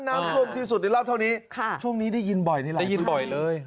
น้ำท่วมที่สุดในรอบเท่านี้ช่วงนี้ได้ยินบ่อยนี่แหละได้ยินบ่อยเลย